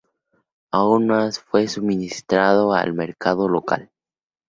Aún más fue suministrado al mercado local.